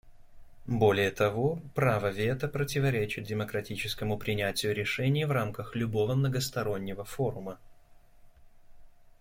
Более того, право вето противоречит демократическому принятию решений в рамках любого многостороннего форума.